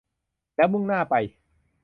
แล้วมุ่งหน้าไป